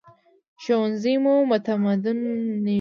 ښوونځی مو متمدنوي